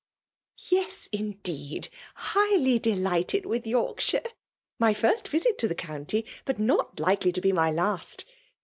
^' Yes ! indeed I — highly delighted wHh Yorkshire. My first visit to the county; b&t nioft likcdy to be my last.